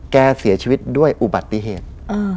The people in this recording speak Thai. เสียชีวิตด้วยอุบัติเหตุ